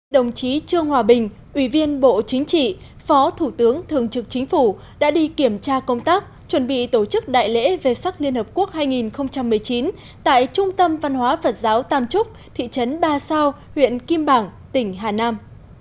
đồng chí trương hòa bình ủy viên bộ chính trị phó thủ tướng thường trực chính phủ đã đi kiểm tra công tác chuẩn bị tổ chức đại lễ về sắc liên hợp quốc hai nghìn một mươi chín tại trung tâm văn hóa phật giáo tam trúc thị trấn ba sao huyện kim bảng tỉnh hà nam